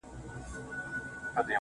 خداى دي له بدوسترگو وساته تل.